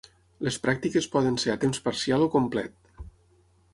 Les pràctiques poden ser a temps parcial o complet.